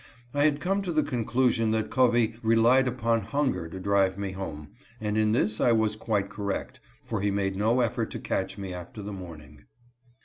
I had come to the conclusion that Covey relied upon hun ger to drive me home, and in this I was quite correct, for lie made no effort to catch me after the morning.